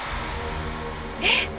えっ！